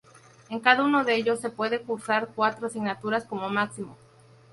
En cada uno de ellos se pueden cursar cuatro asignaturas como máximo.